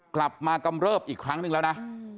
กลับมากำเริบอีกครั้งหนึ่งแล้วนะ